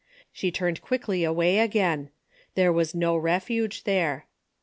She turned quickly away again. There w^as no refuge there.